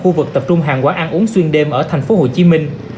khu vực tập trung hàng quán ăn uống xuyên đêm ở thành phố hồ chí minh